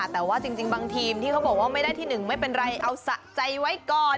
แต่ว่าจริงบางทีมที่เขาบอกว่าไม่ได้ที่๑ไม่เป็นไรเอาสะใจไว้ก่อน